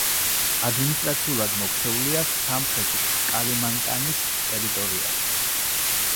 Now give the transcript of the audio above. ადმინისტრაციულად მოქცეულია სამხრეთი კალიმანტანის ტერიტორიაზე.